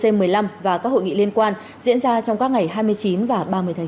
c một mươi năm và các hội nghị liên quan diễn ra trong các ngày hai mươi chín và ba mươi tháng chín